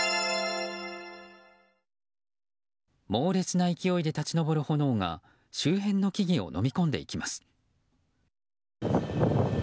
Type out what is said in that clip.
猛烈な勢いで立ち上る炎が周辺の木々をのみ込んでいきます。